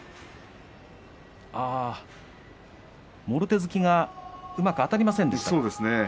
もろ手突きがうまくあたりませんでしたね。